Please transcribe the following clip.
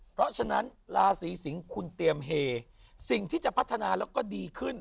เพราะฉะนั้นราศีสิงศ์คุณเตรียมเฮสิ่งที่จะพัฒนาแล้วก็ดีขึ้น